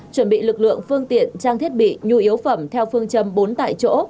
chuẩn bị lực lượng phương tiện trang thiết bị nhu yếu phẩm theo phương châm bốn tại chỗ